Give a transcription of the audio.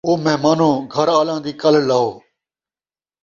آو مہمانو، گھر آلاں دی کلھ لہو